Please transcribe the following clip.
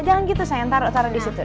jangan gitu sayang taruh taruh disitu